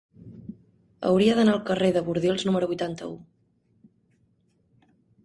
Hauria d'anar al carrer de Bordils número vuitanta-u.